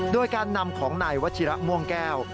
โดยการนำของนายวัชิระม่วงแก้ว